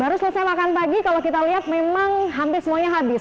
baru selesai makan pagi kalau kita lihat memang hampir semuanya habis